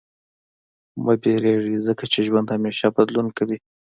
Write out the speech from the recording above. • مه وېرېږه، ځکه چې ژوند همېشه بدلون کوي.